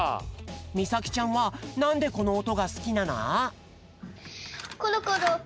みさきちゃんはなんでこのおとがすきなの？